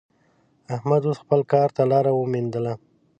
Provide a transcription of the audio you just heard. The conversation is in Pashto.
احمد اوس خپل کار ته لاره ومېندله.